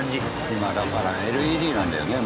今だからＬＥＤなんだよねもうね。